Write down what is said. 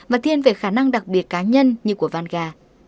và thiên về khả năng đặc biệt cá nhân như của vanga